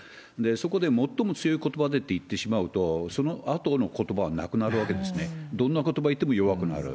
そこで最も強いことばでって言ってしまうと、そのあとのことばはなくなるわけですね、どんなことばを言っても弱くなる。